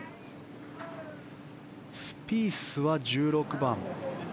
スピースは１６番。